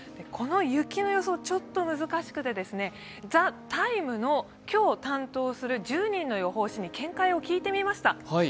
この雪の予想、ちょっと難しくてですね、「ＴＨＥＴＩＭＥ，」の今日担当する１０人の予報士に見解を聞いてみました。